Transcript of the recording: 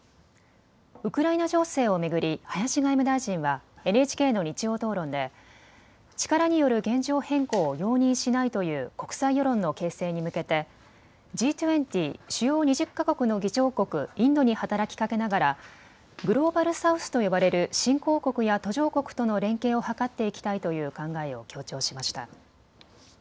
ウクライナ情勢を巡り林外務大臣はＮＨＫの日曜討論で力による現状変更を容認しないという国際世論の形成に向けてＧ２０・主要２０か国の議長国インドに働きかけながらグローバル・サウスと呼ばれる新興国や途上国との連携を図っていきたいという考えを強調しました。